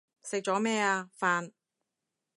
食咗咩啊？飯